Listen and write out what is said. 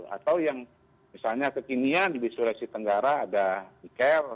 atau yang misalnya kekinian di sulawesi tenggara ada iker